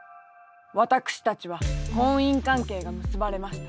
私たちは婚姻関係が結ばれました。